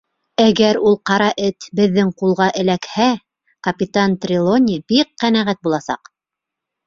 Әгәр ул Ҡара Эт беҙҙең ҡулға эләкһә, капитан Трелони бик ҡәнәғәт буласаҡ.